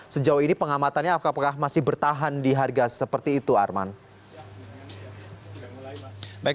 sejauh ini pengamatannya apakah masih bertahan di harga seperti itu arman